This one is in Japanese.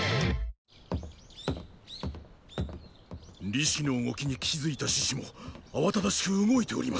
李斯の動きに気付いた肆氏もあわただしく動いております。